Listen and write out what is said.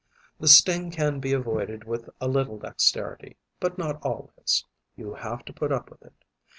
The sting can be avoided with a little dexterity, but not always. You have to put up with it.